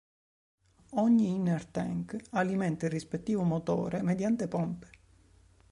Ogni "Inner Tank" alimenta il rispettivo motore mediante pompe.